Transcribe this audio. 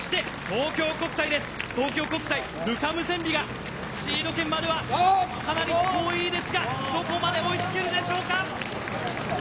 東京国際のルカ・ムセンビがシード権まではかなり遠いですがどこまで追いつけるでしょうか。